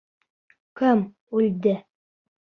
Кем үлде?